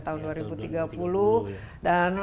tahun dua ribu tiga puluh dan